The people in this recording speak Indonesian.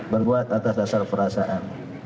berbuat atas dasar perasaan